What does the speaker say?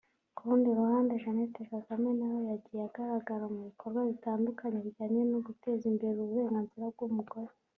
ku rundi ruhande Jeannette Kagame nawe yagiye agaragara mu bikorwa bitandukanye bijyanye guteza imbere uburenganzira bw’umugore